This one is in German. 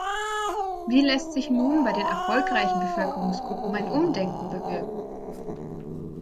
Wie lässt sich nun bei den erfolgreichen Bevölkerungsgruppen ein Umdenken bewirken?